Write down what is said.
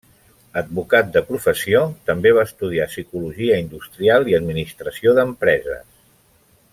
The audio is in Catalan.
Advocat de professió, també va estudiar psicologia industrial i administració d'empreses.